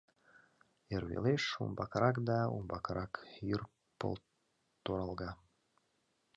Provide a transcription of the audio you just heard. Эрвелыш, умбакырак да умбакырак, йӱр пыл торалга.